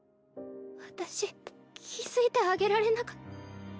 私気付いてあげられなか。